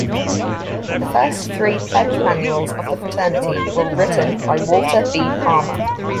The first three pledge manuals of the fraternity were written by Walter B. Palmer.